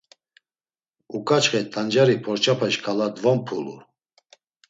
Uǩaçxe t̆ancari porçape şǩala dvonpulu.